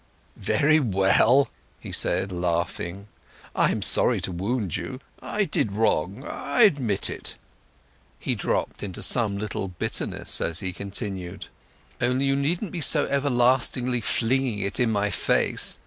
"Very well," he said, laughing; "I am sorry to wound you. I did wrong—I admit it." He dropped into some little bitterness as he continued: "Only you needn't be so everlastingly flinging it in my face.